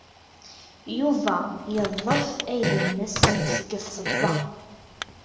Yuba yeḍḍef aydi-nnes seg tseḍḍa.